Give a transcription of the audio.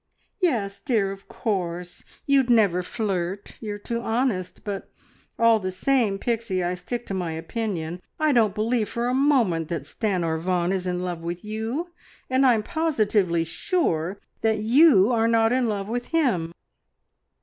"Yes, dear, of course. You'd never flirt, you're too honest, but, all the same, Pixie, I stick to my opinion. I don't believe for a moment that Stanor Vaughan is in love with you, and I'm positively sure that you are not in love with him!"